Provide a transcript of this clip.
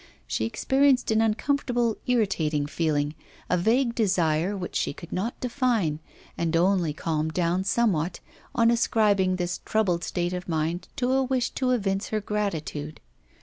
She experienced an uncomfortable irritating feeling, a vague desire which she could not define, and only calmed down somewhat on ascribing this troubled state of mind to a wish to evince her gratitude.